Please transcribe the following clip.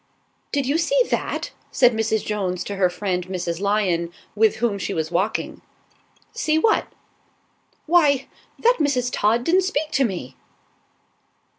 "DID you see that?" said Mrs. Jones to her friend Mrs. Lion, with whom she was walking. "See what?" "Why, that Mrs. Todd didn't speak to me."